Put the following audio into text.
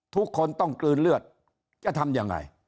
ทุกคนต้องกลืนเลือดจะทำยังไง